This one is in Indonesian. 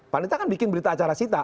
panitia kan bikin berita acara sita